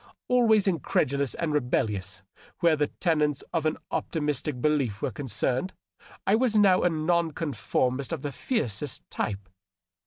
Always incredulous and rebellious where the tenets of an op timistic belief were concerned, I was now a non conformist of the fiercest type.